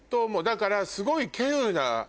だからすごい。